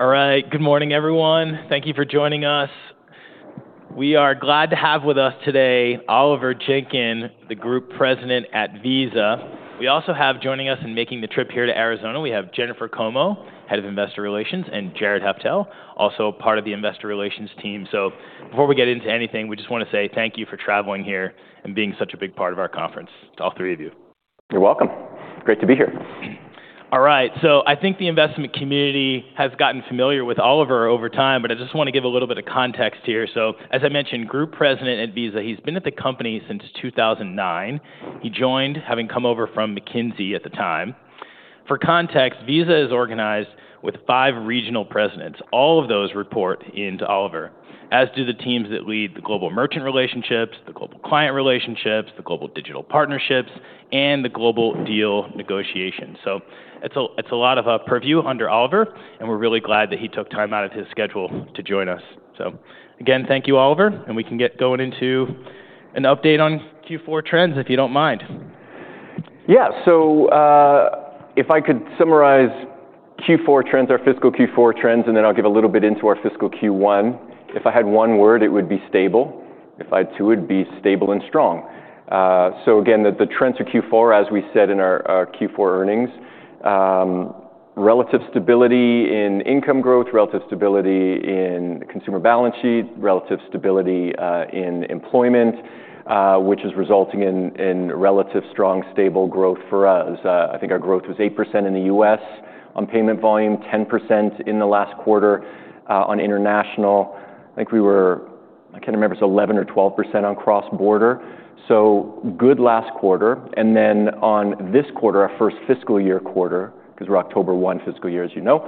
All right. Good morning, everyone. Thank you for joining us. We are glad to have with us today Oliver Jenkyn, the Group President at Visa. We also have joining us in making the trip here to Arizona, Jennifer Como, Head of Investor Relations, and Jared Heftel, also part of the Investor Relations team. Before we get into anything, we just want to say thank you for traveling here and being such a big part of our conference, to all three of you. You're welcome. Great to be here. All right. I think the investment community has gotten familiar with Oliver over time, but I just want to give a little bit of context here. As I mentioned, Group President at Visa, he's been at the company since 2009. He joined, having come over from McKinsey at the time. For context, Visa is organized with five regional presidents. All of those report into Oliver, as do the teams that lead the global merchant relationships, the global client relationships, the global digital partnerships, and the global deal negotiation. It is a lot of purview under Oliver, and we're really glad that he took time out of his schedule to join us. Again, thank you, Oliver, and we can get going into an update on Q4 trends, if you do not mind. Yeah. If I could summarize Q4 trends, our fiscal Q4 trends, and then I'll give a little bit into our fiscal Q1. If I had one word, it would be stable. If I had two, it'd be stable and strong. Again, the trends for Q4, as we said in our Q4 earnings, relative stability in income growth, relative stability in consumer balance sheet, relative stability in employment, which is resulting in relative strong, stable growth for us. I think our growth was 8% in the U.S. on payment volume, 10% in the last quarter on international. I think we were, I can't remember, it was 11% or 12% on cross-border. Good last quarter. On this quarter, our first fiscal year quarter, because we are October 1 fiscal year, as you know,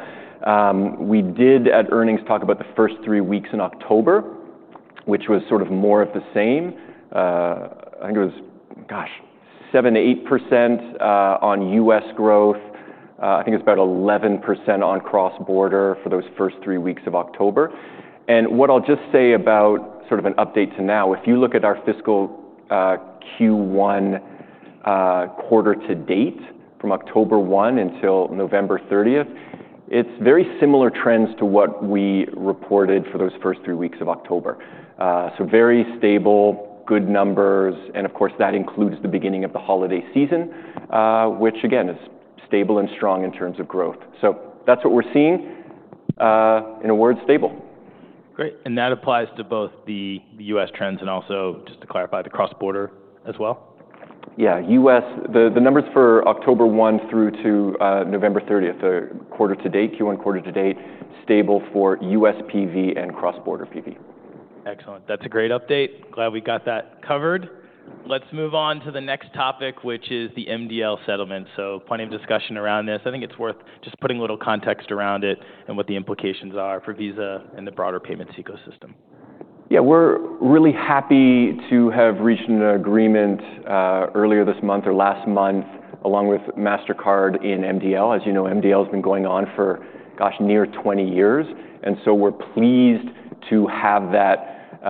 we did at earnings talk about the first three weeks in October, which was sort of more of the same. I think it was, gosh, 7%-8% on U.S. growth. I think it was about 11% on cross-border for those first three weeks of October. What I will just say about an update to now, if you look at our fiscal Q1 quarter to date from October 1 until November 30, it is very similar trends to what we reported for those first three weeks of October. Very stable, good numbers. Of course, that includes the beginning of the holiday season, which again is stable and strong in terms of growth. That is what we are seeing. In a word, stable. Great. That applies to both the U.S. trends and also, just to clarify, the cross-border as well? Yeah. The numbers for October 1 through to November 30, the Q1 quarter to date, stable for US PV and cross-border PV. Excellent. That's a great update. Glad we got that covered. Let's move on to the next topic, which is the MDL settlement. Plenty of discussion around this. I think it's worth just putting a little context around it and what the implications are for Visa and the broader payments ecosystem. Yeah. We're really happy to have reached an agreement earlier this month or last month, along with Mastercard in MDL. As you know, MDL has been going on for, gosh, near 20 years. We're pleased to have that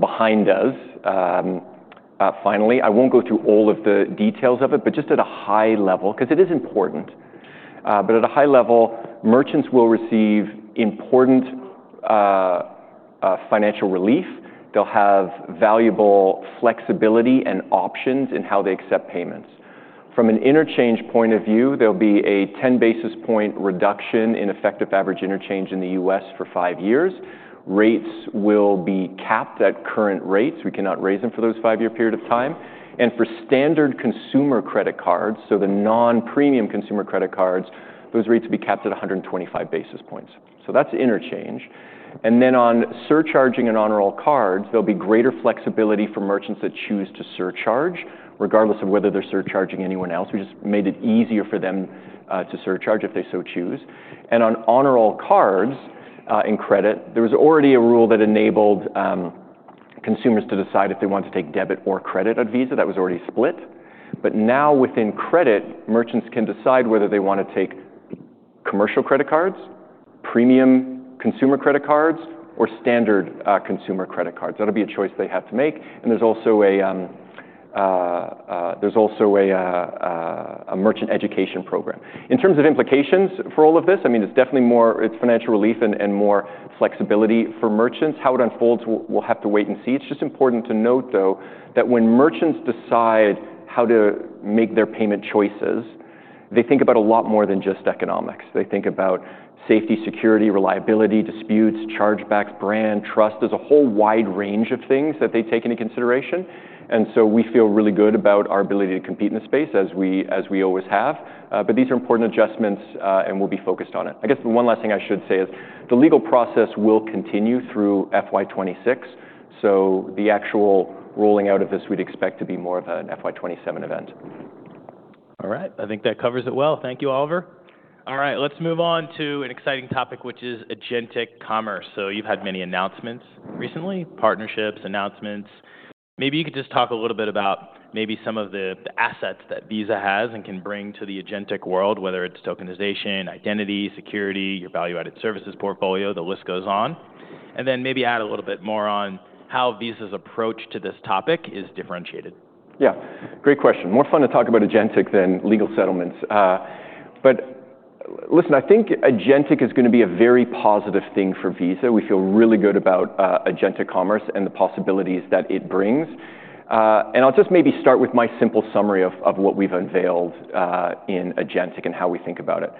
behind us finally. I won't go through all of the details of it, but just at a high level, because it is important. At a high level, merchants will receive important financial relief. They'll have valuable flexibility and options in how they accept payments. From an interchange point of view, there'll be a 10 basis point reduction in effective average interchange in the U.S. for five years. Rates will be capped at current rates. We cannot raise them for those five-year period of time. For standard consumer credit cards, so the non-premium consumer credit cards, those rates will be capped at 125 basis points. That's interchange. On surcharging and Honor All Cards, there will be greater flexibility for merchants that choose to surcharge, regardless of whether they are surcharging anyone else. We just made it easier for them to surcharge if they so choose. On Honor All Cards in credit, there was already a rule that enabled consumers to decide if they want to take debit or credit on Visa. That was already split. Now within credit, merchants can decide whether they want to take commercial credit cards, premium consumer credit cards, or standard consumer credit cards. That will be a choice they have to make. There is also a merchant education program. In terms of implications for all of this, I mean, it is definitely more financial relief and more flexibility for merchants. How it unfolds, we will have to wait and see. It's just important to note, though, that when merchants decide how to make their payment choices, they think about a lot more than just economics. They think about safety, security, reliability, disputes, chargebacks, brand, trust. There's a whole wide range of things that they take into consideration. We feel really good about our ability to compete in this space, as we always have. These are important adjustments, and we'll be focused on it. I guess the one last thing I should say is the legal process will continue through FY2026. The actual rolling out of this, we'd expect to be more of an FY2027 event. All right. I think that covers it well. Thank you, Oliver. All right. Let's move on to an exciting topic, which is agentic commerce. You have had many announcements recently, partnerships, announcements. Maybe you could just talk a little bit about maybe some of the assets that Visa has and can bring to the agentic world, whether it's tokenization, identity, security, your value-added services portfolio, the list goes on. Maybe add a little bit more on how Visa's approach to this topic is differentiated. Yeah. Great question. More fun to talk about agentic than legal settlements. Listen, I think agentic is going to be a very positive thing for Visa. We feel really good about agentic commerce and the possibilities that it brings. I'll just maybe start with my simple summary of what we've unveiled in agentic and how we think about it.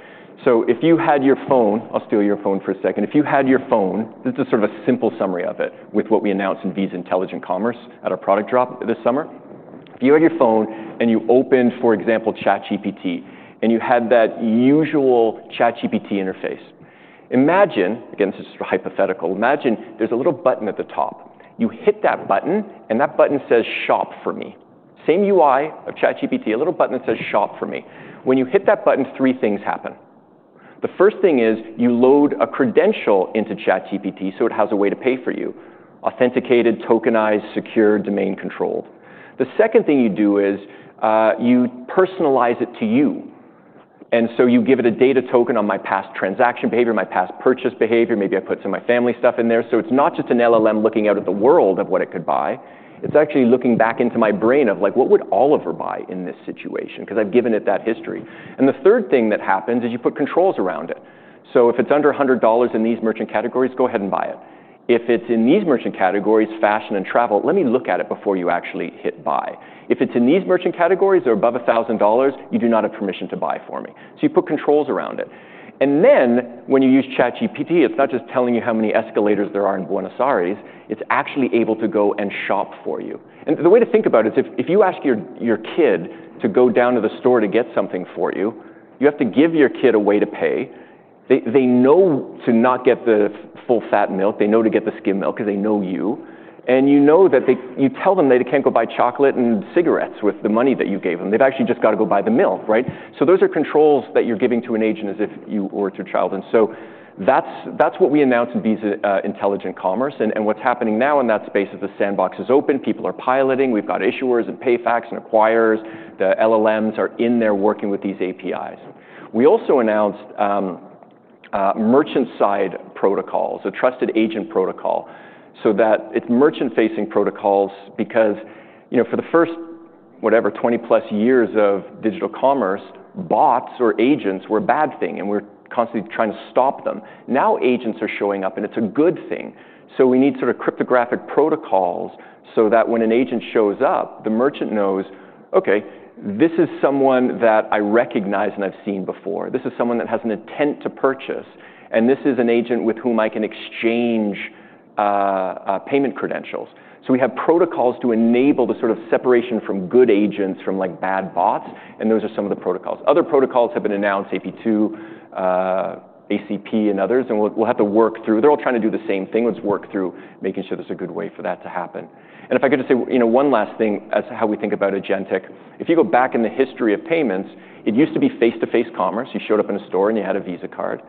If you had your phone--I'll steal your phone for a second. If you had your phone, this is sort of a simple summary of it with what we announced in Visa Intelligent Commerce at our product drop this summer. If you had your phone and you opened, for example, ChatGPT, and you had that usual ChatGPT interface, imagine--again, this is just a hypothetical--imagine there's a little button at the top. You hit that button, and that button says, "Shop for me." Same UI of ChatGPT, a little button that says, "Shop for me." When you hit that button, three things happen. The first thing is you load a credential into ChatGPT so it has a way to pay for you: authenticated, tokenized, secure, domain-controlled. The second thing you do is you personalize it to you. And so you give it a data token on my past transaction behavior, my past purchase behavior. Maybe I put some of my family stuff in there. So it's not just an LLM looking out at the world of what it could buy. It's actually looking back into my brain of, like, what would Oliver buy in this situation? Because I've given it that history. The third thing that happens is you put controls around it. If it's under $100 in these merchant categories, go ahead and buy it. If it's in these merchant categories, fashion and travel, let me look at it before you actually hit buy. If it's in these merchant categories or above $1,000, you do not have permission to buy for me. You put controls around it. When you use ChatGPT, it's not just telling you how many escalators there are in Buenos Aires. It's actually able to go and shop for you. The way to think about it is if you ask your kid to go down to the store to get something for you, you have to give your kid a way to pay. They know to not get the full fat milk. They know to get the skim milk because they know you. You know that you tell them they can't go buy chocolate and cigarettes with the money that you gave them. They've actually just got to go buy the milk, right? Those are controls that you're giving to an agent as if you were to child. That is what we announced in Visa Intelligent Commerce. What's happening now in that space is the sandbox is open. People are piloting. We've got issuers and PayFacs and acquirers. The LLMs are in there working with these APIs. We also announced merchant-side protocols, a trusted agent protocol, so that it's merchant-facing protocols because for the first, whatever, 20-plus years of digital commerce, bots or agents were a bad thing, and we were constantly trying to stop them. Now agents are showing up, and it's a good thing. We need sort of cryptographic protocols so that when an agent shows up, the merchant knows, "Okay, this is someone that I recognize and I've seen before. This is someone that has an intent to purchase. And this is an agent with whom I can exchange payment credentials." We have protocols to enable the sort of separation from good agents from bad bots. Those are some of the protocols. Other protocols have been announced: AP2, ACP, and others. We will have to work through. They are all trying to do the same thing. Let's work through making sure there is a good way for that to happen. If I could just say one last thing as to how we think about agentic. If you go back in the history of payments, it used to be face-to-face commerce. You showed up in a store, and you had a Visa card.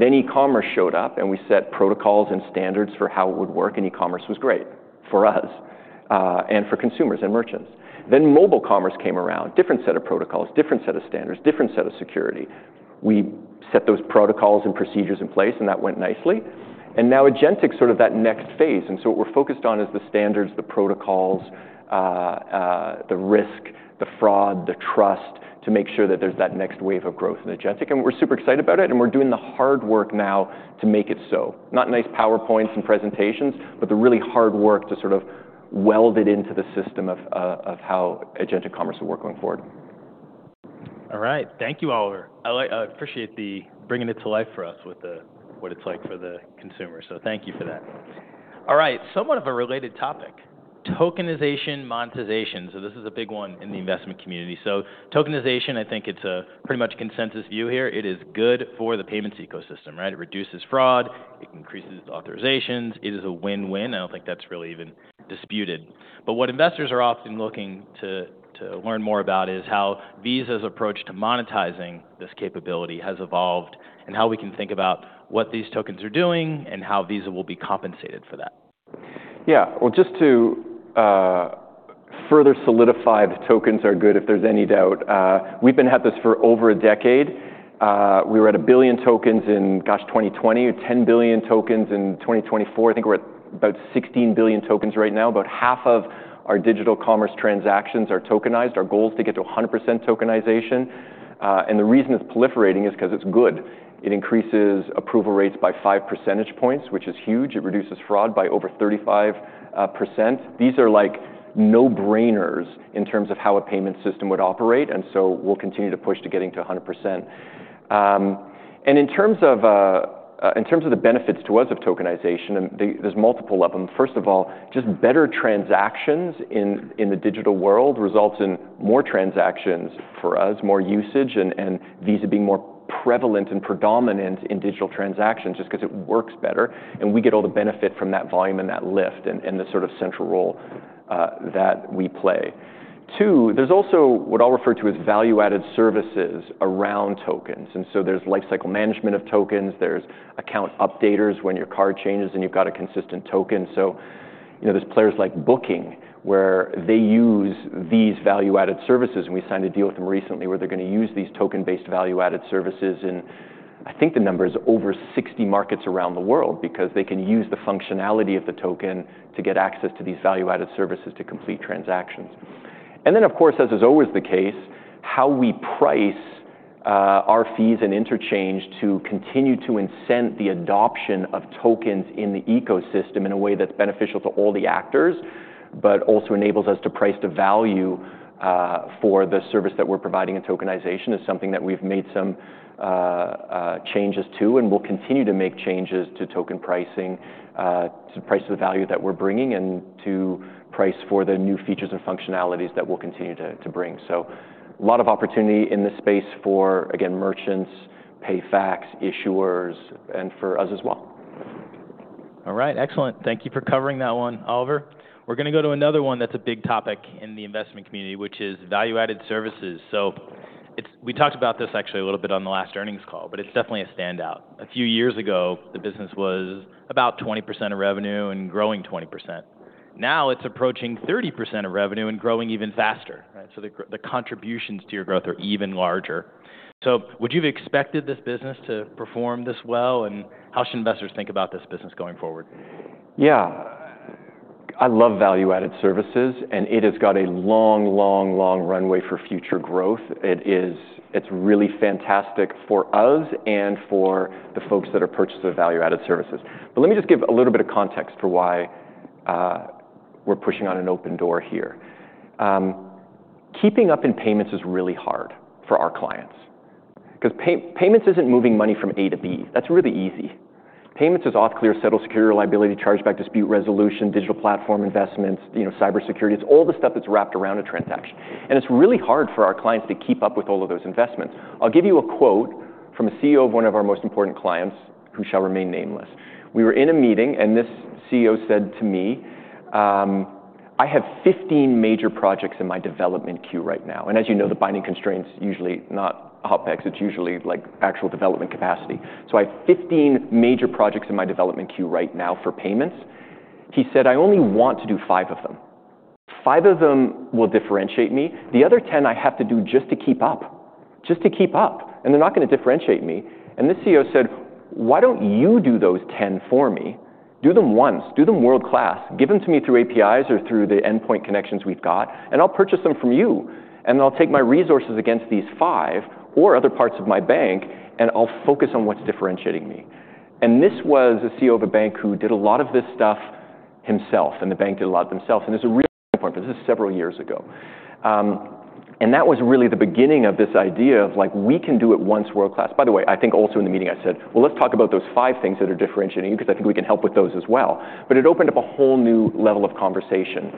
E-commerce showed up, and we set protocols and standards for how it would work. E-commerce was great for us and for consumers and merchants. Mobile commerce came around, different set of protocols, different set of standards, different set of security. We set those protocols and procedures in place, and that went nicely. Now agentic is sort of that next phase. What we're focused on is the standards, the protocols, the risk, the fraud, the trust to make sure that there's that next wave of growth in agentic. We're super excited about it. We're doing the hard work now to make it so. Not nice PowerPoints and presentations, but the really hard work to sort of weld it into the system of how agentic commerce will work going forward. All right. Thank you, Oliver. I appreciate the bringing it to life for us with what it's like for the consumer. Thank you for that. All right. Somewhat of a related topic, tokenization, monetization. This is a big one in the investment community. Tokenization, I think it's pretty much a consensus view here. It is good for the payments ecosystem, right? It reduces fraud. It increases authorizations. It is a win-win. I do not think that's really even disputed. What investors are often looking to learn more about is how Visa's approach to monetizing this capability has evolved and how we can think about what these tokens are doing and how Visa will be compensated for that. Yeah. Just to further solidify, the tokens are good if there's any doubt. We've been at this for over a decade. We were at a billion tokens in, gosh, 2020, 10 billion tokens in 2024. I think we're at about 16 billion tokens right now. About half of our digital commerce transactions are tokenized. Our goal is to get to 100% tokenization. The reason it's proliferating is because it's good. It increases approval rates by 5 percentage points, which is huge. It reduces fraud by over 35%. These are like no-brainers in terms of how a payment system would operate. We will continue to push to getting to 100%. In terms of the benefits to us of tokenization, there's multiple of them. First of all, just better transactions in the digital world results in more transactions for us, more usage, and Visa being more prevalent and predominant in digital transactions just because it works better. We get all the benefit from that volume and that lift and the sort of central role that we play. Two, there's also what I'll refer to as value-added services around tokens. There's lifecycle management of tokens. There's account updaters when your card changes and you've got a consistent token. There are players like booking where they use these value-added services. We signed a deal with them recently where they're going to use these token-based value-added services. I think the number is over 60 markets around the world because they can use the functionality of the token to get access to these value-added services to complete transactions. Of course, as is always the case, how we price our fees and interchange to continue to incent the adoption of tokens in the ecosystem in a way that's beneficial to all the actors, but also enables us to price the value for the service that we're providing in tokenization is something that we've made some changes to and will continue to make changes to token pricing, to the price of the value that we're bringing, and to price for the new features and functionalities that we'll continue to bring. A lot of opportunity in this space for, again, merchants, PayFacs, issuers, and for us as well. All right. Excellent. Thank you for covering that one, Oliver. We're going to go to another one that's a big topic in the investment community, which is value-added services. We talked about this actually a little bit on the last earnings call, but it's definitely a standout. A few years ago, the business was about 20% of revenue and growing 20%. Now it's approaching 30% of revenue and growing even faster, right? The contributions to your growth are even larger. Would you have expected this business to perform this well? How should investors think about this business going forward? Yeah. I love value-added services, and it has got a long, long, long runway for future growth. It's really fantastic for us and for the folks that are purchasing value-added services. Let me just give a little bit of context for why we're pushing on an open door here. Keeping up in payments is really hard for our clients because payments isn't moving money from A to B. That's really easy. Payments is auth, clear, settle, secure, liability, chargeback, dispute resolution, digital platform investments, cybersecurity. It's all the stuff that's wrapped around a transaction. It's really hard for our clients to keep up with all of those investments. I'll give you a quote from a CEO of one of our most important clients, who shall remain nameless. We were in a meeting, and this CEO said to me, "I have 15 major projects in my development queue right now." As you know, the binding constraint is usually not OpEx. It is usually actual development capacity. I have 15 major projects in my development queue right now for payments. He said, "I only want to do five of them. Five of them will differentiate me. The other 10 I have to do just to keep up, just to keep up. They are not going to differentiate me." This CEO said, "Why do you not do those 10 for me? Do them once. Do them world-class. Give them to me through APIs or through the endpoint connections we have. I will purchase them from you. I'll take my resources against these five or other parts of my bank, and I'll focus on what's differentiating me." This was a CEO of a bank who did a lot of this stuff himself, and the bank did a lot of themselves. This is a really important point, but this is several years ago. That was really the beginning of this idea of, like, we can do it once world-class. By the way, I think also in the meeting I said, "Let's talk about those five things that are differentiating you because I think we can help with those as well." It opened up a whole new level of conversation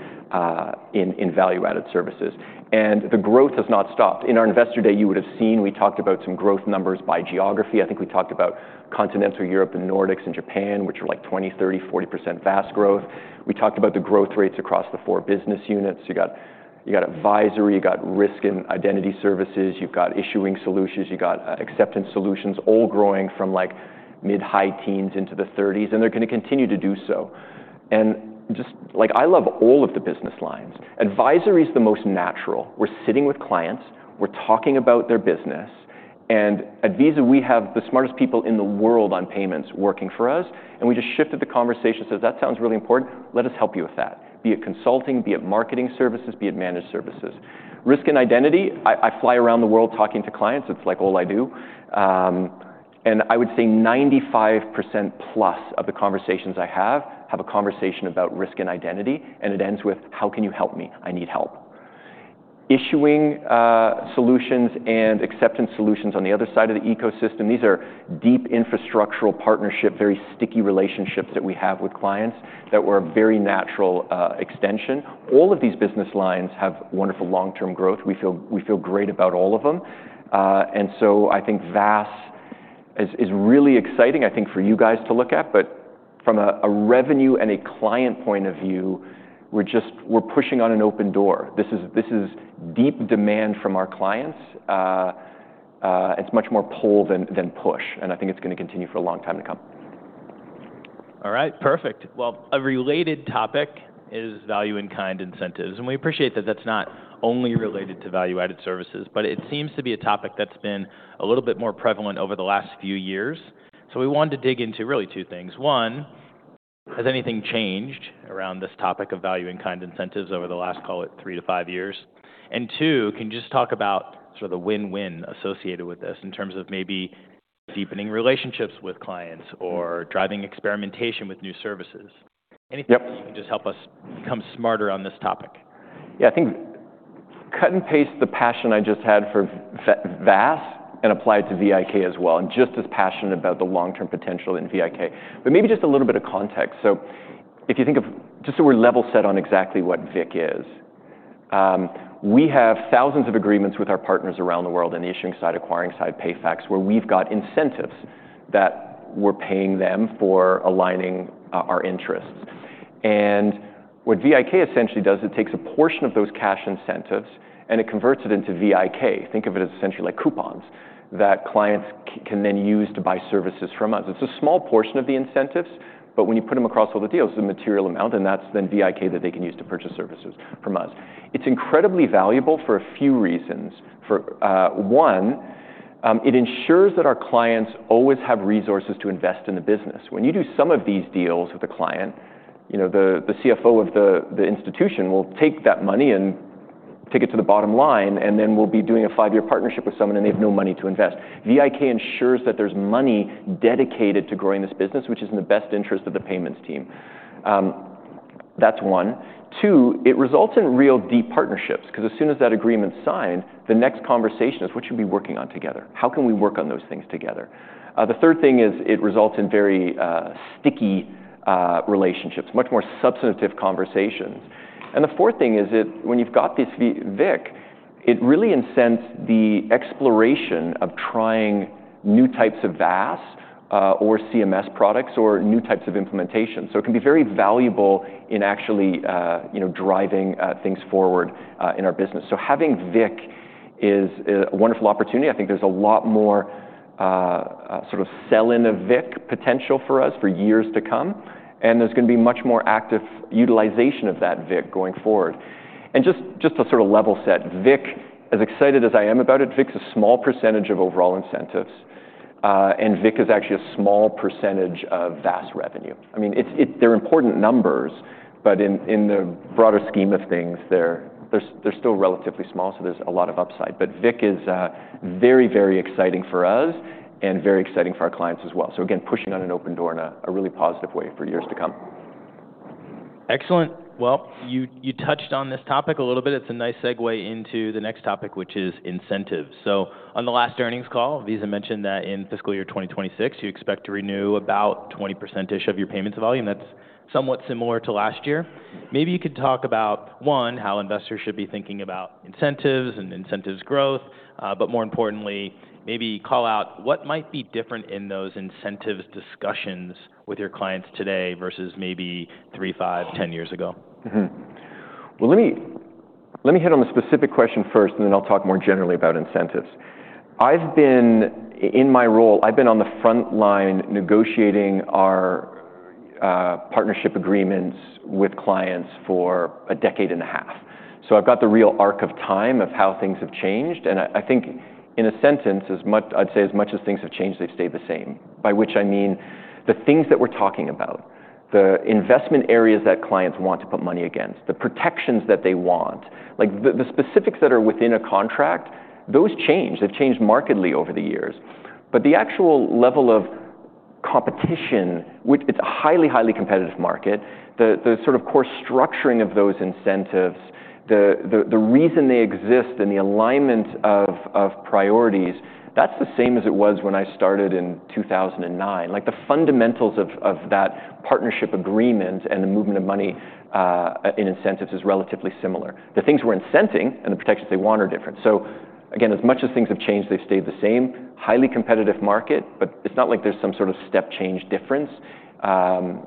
in value-added services. The growth has not stopped. In our investor day, you would have seen we talked about some growth numbers by geography. I think we talked about Continental Europe and Nordics and Japan, which are like 20%, 30%, 40% fast growth. We talked about the growth rates across the four business units. You got advisory. You got risk and identity services. You have issuing solutions. You got acceptance solutions, all growing from like mid-high teens into the 30%. They are going to continue to do so. Just like I love all of the business lines. Advisory is the most natural. We are sitting with clients. We are talking about their business. At Visa, we have the smartest people in the world on payments working for us. We just shifted the conversation. It says, "That sounds really important. Let us help you with that, be it consulting, be it marketing services, be it managed services." Risk and identity, I fly around the world talking to clients. It is like all I do. I would say 95% plus of the conversations I have have a conversation about risk and identity. It ends with, "How can you help me? I need help." Issuing solutions and acceptance solutions on the other side of the ecosystem, these are deep infrastructural partnership, very sticky relationships that we have with clients that were a very natural extension. All of these business lines have wonderful long-term growth. We feel great about all of them. I think VAS is really exciting, I think, for you guys to look at. From a revenue and a client point of view, we're pushing on an open door. This is deep demand from our clients. It's much more pull than push. I think it's going to continue for a long time to come. All right. Perfect. A related topic is value-in-kind incentives. We appreciate that that's not only related to value-added services, but it seems to be a topic that's been a little bit more prevalent over the last few years. We wanted to dig into really two things. One, has anything changed around this topic of value-in-kind incentives over the last, call it, three to five years? Two, can you just talk about sort of the win-win associated with this in terms of maybe deepening relationships with clients or driving experimentation with new services? Anything that you can just help us become smarter on this topic? Yeah. I think cut and paste the passion I just had for VAS and apply it to VIK as well. I'm just as passionate about the long-term potential in VIK. Maybe just a little bit of context. If you think of just a word, level set on exactly what VIK is, we have thousands of agreements with our partners around the world in the issuing side, acquiring side, PayFac, where we've got incentives that we're paying them for aligning our interests. What VIK essentially does, it takes a portion of those cash incentives and it converts it into VIK. Think of it as essentially like coupons that clients can then use to buy services from us. It's a small portion of the incentives, but when you put them across all the deals, the material amount, and that's then VIK that they can use to purchase services from us. It's incredibly valuable for a few reasons. One, it ensures that our clients always have resources to invest in the business. When you do some of these deals with a client, the CFO of the institution will take that money and take it to the bottom line, and then we'll be doing a five-year partnership with someone, and they have no money to invest. VIK ensures that there's money dedicated to growing this business, which is in the best interest of the payments team. That's one. Two, it results in real deep partnerships because as soon as that agreement's signed, the next conversation is, "What should we be working on together? How can we work on those things together?" The third thing is it results in very sticky relationships, much more substantive conversations. The fourth thing is when you've got this VIK, it really incents the exploration of trying new types of VAS or CMS products or new types of implementation. It can be very valuable in actually driving things forward in our business. Having VIK is a wonderful opportunity. I think there's a lot more sort of selling of VIK potential for us for years to come. There's going to be much more active utilization of that VIK going forward. Just to sort of level set, VIK, as excited as I am about it, VIK's a small percentage of overall incentives. VIK is actually a small percentage of VAS revenue. I mean, they're important numbers, but in the broader scheme of things, they're still relatively small, so there's a lot of upside. VIK is very, very exciting for us and very exciting for our clients as well. Again, pushing on an open door in a really positive way for years to come. Excellent. You touched on this topic a little bit. It's a nice segue into the next topic, which is incentives. On the last earnings call, Visa mentioned that in fiscal year 2026, you expect to renew about 20%-ish of your payments volume. That's somewhat similar to last year. Maybe you could talk about, one, how investors should be thinking about incentives and incentives growth, but more importantly, maybe call out what might be different in those incentives discussions with your clients today versus maybe three, five, ten years ago. Let me hit on the specific question first, and then I'll talk more generally about incentives. In my role, I've been on the front line negotiating our partnership agreements with clients for a decade and a half. I've got the real arc of time of how things have changed. I think in a sentence, I'd say as much as things have changed, they've stayed the same, by which I mean the things that we're talking about, the investment areas that clients want to put money against, the protections that they want, like the specifics that are within a contract, those change. They've changed markedly over the years. The actual level of competition, which, it's a highly, highly competitive market, the sort of core structuring of those incentives, the reason they exist, and the alignment of priorities, that's the same as it was when I started in 2009. Like the fundamentals of that partnership agreement and the movement of money in incentives is relatively similar. The things we're incenting and the protections they want are different. Again, as much as things have changed, they've stayed the same, highly competitive market, but it's not like there's some sort of step change difference.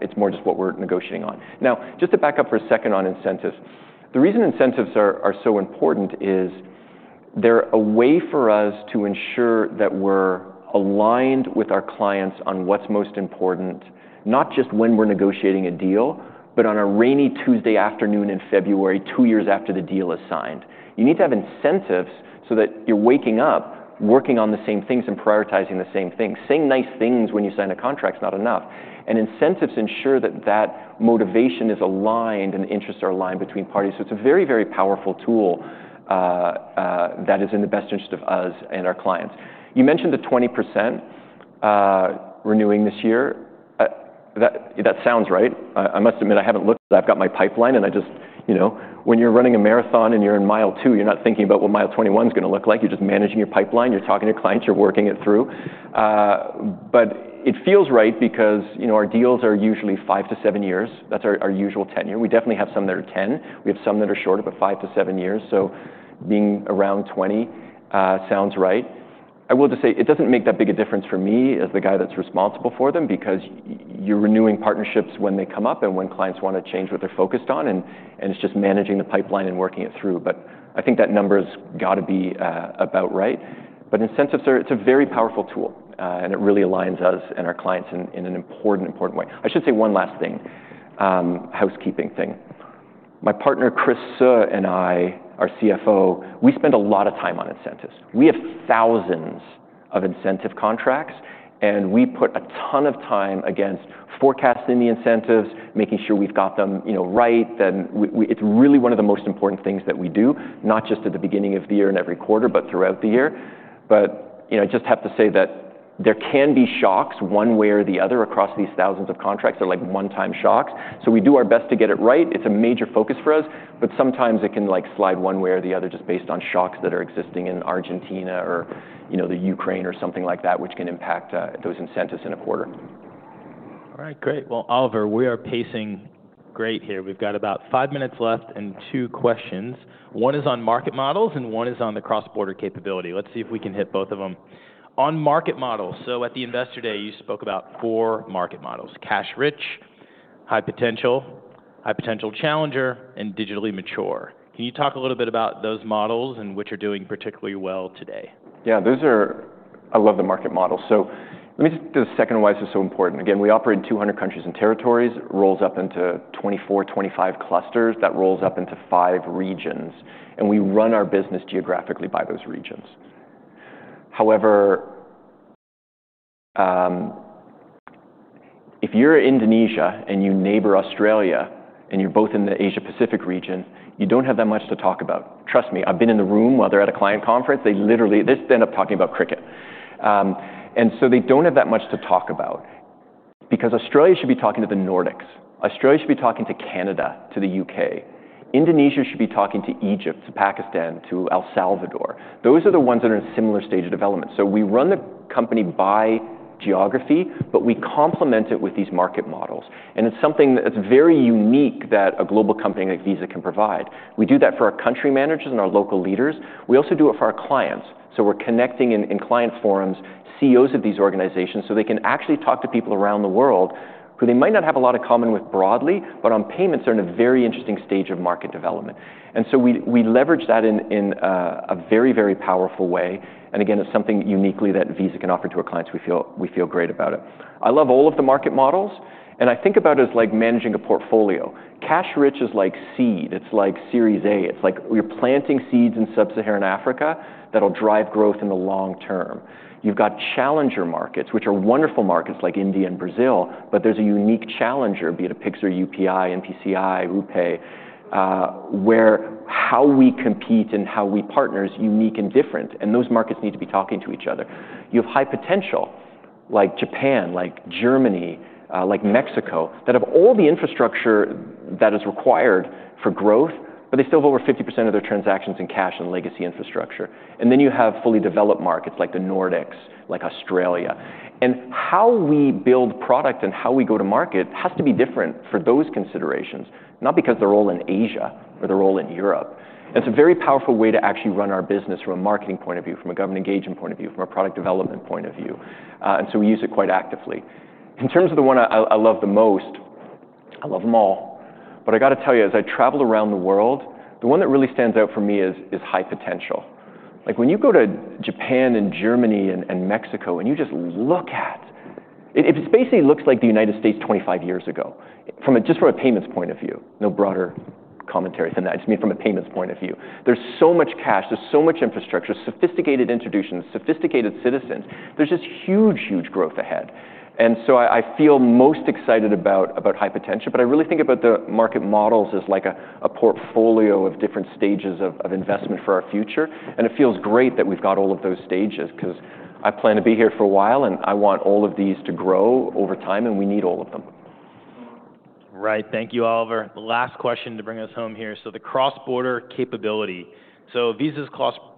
It's more just what we're negotiating on. Now, just to back up for a second on incentives, the reason incentives are so important is they're a way for us to ensure that we're aligned with our clients on what's most important, not just when we're negotiating a deal, but on a rainy Tuesday afternoon in February, two years after the deal is signed. You need to have incentives so that you're waking up, working on the same things and prioritizing the same things. Saying nice things when you sign a contract's not enough. Incentives ensure that that motivation is aligned and interests are aligned between parties. It is a very, very powerful tool that is in the best interest of us and our clients. You mentioned the 20% renewing this year. That sounds right. I must admit, I haven't looked at it. I've got my pipeline, and I just, when you're running a marathon and you're in mile two, you're not thinking about what mile 21's going to look like. You're just managing your pipeline. You're talking to clients. You're working it through. It feels right because our deals are usually five to seven years. That's our usual tenure. We definitely have some that are ten. We have some that are shorter, but five to seven years. Being around 20 sounds right. I will just say it doesn't make that big a difference for me as the guy that's responsible for them because you're renewing partnerships when they come up and when clients want to change what they're focused on, and it's just managing the pipeline and working it through. I think that number's got to be about right. Incentives are a very powerful tool, and it really aligns us and our clients in an important, important way. I should say one last thing, housekeeping thing. My partner, Chris Suh, and I, our CFO, we spend a lot of time on incentives. We have thousands of incentive contracts, and we put a ton of time against forecasting the incentives, making sure we've got them right. It's really one of the most important things that we do, not just at the beginning of the year and every quarter, but throughout the year. I just have to say that there can be shocks one way or the other across these thousands of contracts. They're like one-time shocks. We do our best to get it right. It's a major focus for us, but sometimes it can slide one way or the other just based on shocks that are existing in Argentina or Ukraine or something like that, which can impact those incentives in a quarter. All right. Great. Oliver, we are pacing great here. We've got about five minutes left and two questions. One is on market models, and one is on the cross-border capability. Let's see if we can hit both of them. On market models, at the investor day, you spoke about four market models: cash-rich, high potential, high potential challenger, and digitally mature. Can you talk a little bit about those models and which are doing particularly well today? Yeah. I love the market models. Let me just do the second why this is so important. Again, we operate in 200 countries and territories, rolls up into 24, 25 clusters that rolls up into five regions. We run our business geographically by those regions. However, if you're Indonesia and you neighbor Australia and you're both in the Asia-Pacific region, you don't have that much to talk about. Trust me, I've been in the room while they're at a client conference. They literally just end up talking about cricket. They don't have that much to talk about because Australia should be talking to the Nordics. Australia should be talking to Canada, to the U.K. Indonesia should be talking to Egypt, to Pakistan, to El Salvador. Those are the ones that are in a similar stage of development. We run the company by geography, but we complement it with these market models. It is something that is very unique that a global company like Visa can provide. We do that for our country managers and our local leaders. We also do it for our clients. We are connecting in client forums, CEOs of these organizations, so they can actually talk to people around the world who they might not have a lot in common with broadly, but on payments, they are in a very interesting stage of market development. We leverage that in a very, very powerful way. It is something uniquely that Visa can offer to our clients. We feel great about it. I love all of the market models, and I think about it as like managing a portfolio. Cash-rich is like seed. It is like Series A. It's like we're planting seeds in Sub-Saharan Africa that'll drive growth in the long term. You've got challenger markets, which are wonderful markets like India and Brazil, but there's a unique challenger, be it a Pix, UPI, NPCI, RuPay, where how we compete and how we partner is unique and different. Those markets need to be talking to each other. You have high potential like Japan, like Germany, like Mexico that have all the infrastructure that is required for growth, but they still have over 50% of their transactions in cash and legacy infrastructure. You have fully developed markets like the Nordics, like Australia. How we build product and how we go to market has to be different for those considerations, not because they're all in Asia or they're all in Europe. It is a very powerful way to actually run our business from a marketing point of view, from a government engagement point of view, from a product development point of view. We use it quite actively. In terms of the one I love the most, I love them all, but I got to tell you, as I travel around the world, the one that really stands out for me is high potential. Like when you go to Japan and Germany and Mexico and you just look at it, it basically looks like the United States 25 years ago just from a payments point of view. No broader commentary than that. Just mean from a payments point of view. There is so much cash. There is so much infrastructure, sophisticated institutions, sophisticated citizens. There is just huge, huge growth ahead. I feel most excited about high potential, but I really think about the market models as like a portfolio of different stages of investment for our future. It feels great that we've got all of those stages because I plan to be here for a while, and I want all of these to grow over time, and we need all of them. Right. Thank you, Oliver. Last question to bring us home here. The cross-border capability. Visa's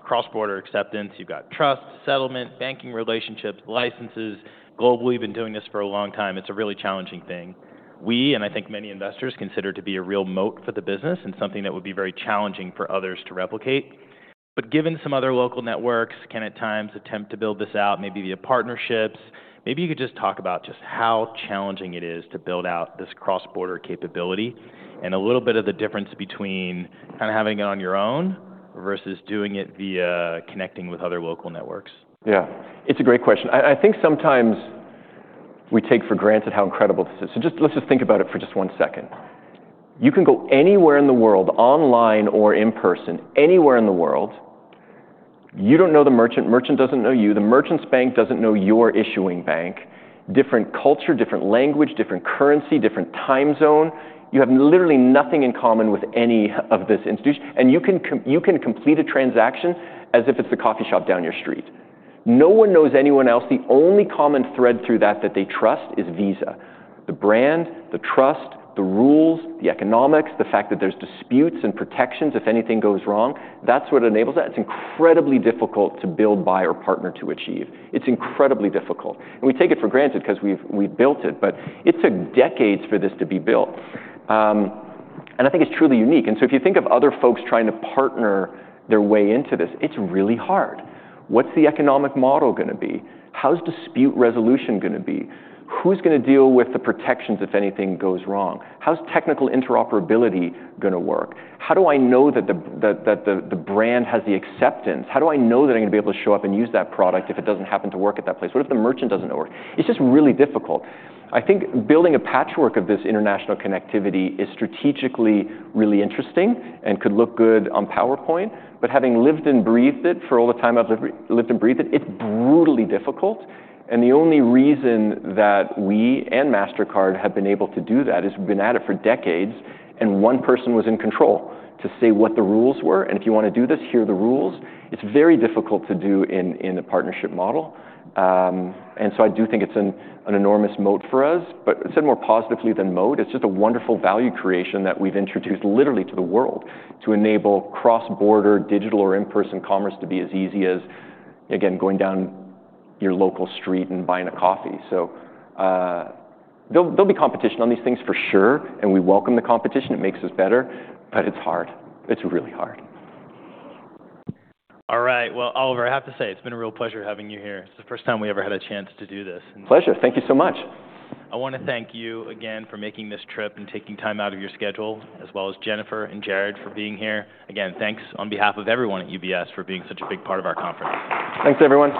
cross-border acceptance, you've got trust, settlement, banking relationships, licenses. Globally, we've been doing this for a long time. It's a really challenging thing. We, and I think many investors, consider it to be a real moat for the business and something that would be very challenging for others to replicate. Given some other local networks, can at times attempt to build this out, maybe via partnerships. Maybe you could just talk about just how challenging it is to build out this cross-border capability and a little bit of the difference between kind of having it on your own versus doing it via connecting with other local networks. Yeah. It's a great question. I think sometimes we take for granted how incredible this is. Let's just think about it for just one second. You can go anywhere in the world, online or in person, anywhere in the world. You don't know the merchant. The merchant doesn't know you. The merchant's bank doesn't know your issuing bank. Different culture, different language, different currency, different time zone. You have literally nothing in common with any of this institution. You can complete a transaction as if it's the coffee shop down your street. No one knows anyone else. The only common thread through that that they trust is Visa. The brand, the trust, the rules, the economics, the fact that there's disputes and protections if anything goes wrong, that's what enables that. It's incredibly difficult to build, buy, or partner to achieve. It's incredibly difficult. We take it for granted because we've built it, but it took decades for this to be built. I think it's truly unique. If you think of other folks trying to partner their way into this, it's really hard. What's the economic model going to be? How's dispute resolution going to be? Who's going to deal with the protections if anything goes wrong? How's technical interoperability going to work? How do I know that the brand has the acceptance? How do I know that I'm going to be able to show up and use that product if it doesn't happen to work at that place? What if the merchant doesn't work? It's just really difficult. I think building a patchwork of this international connectivity is strategically really interesting and could look good on PowerPoint, but having lived and breathed it for all the time I've lived and breathed it, it's brutally difficult. The only reason that we and Mastercard have been able to do that is we've been at it for decades, and one person was in control to say what the rules were. If you want to do this, here are the rules. It's very difficult to do in the partnership model. I do think it's an enormous moat for us, but I'd say more positively than moat. It's just a wonderful value creation that we've introduced literally to the world to enable cross-border digital or in-person commerce to be as easy as, again, going down your local street and buying a coffee. There'll be competition on these things for sure, and we welcome the competition. It makes us better, but it's hard. It's really hard. All right. Oliver, I have to say it's been a real pleasure having you here. It's the first time we ever had a chance to do this. Pleasure. Thank you so much. I want to thank you again for making this trip and taking time out of your schedule, as well as Jennifer and Jared for being here. Again, thanks on behalf of everyone at UBS for being such a big part of our conference. Thanks, everyone.